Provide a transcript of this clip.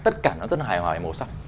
tất cả nó rất là hài hòa về màu sắc